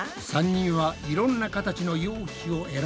３人はいろんな形の容器を選んだぞ。